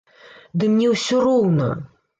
Ды мне ўсё роўна.